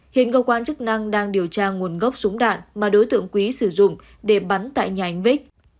hiện cơ quan chức năng đang điều tra nguồn gốc súng đạn mà đối tượng quý sử dụng để bắn tại nhà anh vích